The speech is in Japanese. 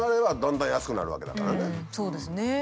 そうですね。